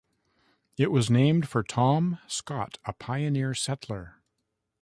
It was named for Tom Scott, a pioneer settler.